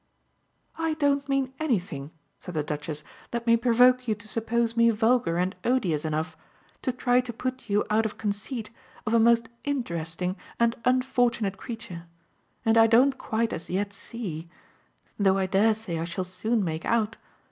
"I don't mean anything," said the Duchess, "that may provoke you to suppose me vulgar and odious enough to try to put you out of conceit of a most interesting and unfortunate creature; and I don't quite as yet see though I dare say I shall soon make out!